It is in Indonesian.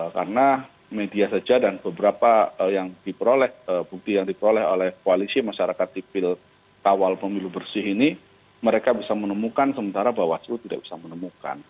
karena media saja dan beberapa yang diperoleh bukti yang diperoleh oleh koalisi masyarakat tipil tawal pemilu bersih ini mereka bisa menemukan sementara bawaslu tidak bisa menemukan